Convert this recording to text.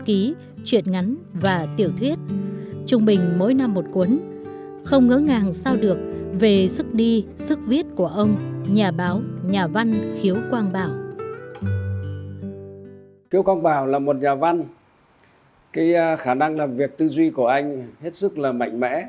khiếu quang bảo là một nhà văn cái khả năng làm việc tư duy của anh hết sức là mạnh mẽ